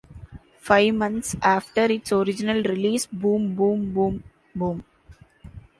Five months after its original release, Boom, Boom, Boom, Boom!!